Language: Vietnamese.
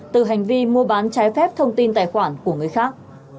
từ hành vi mua bán trái phép thông tin tài khoản của người khác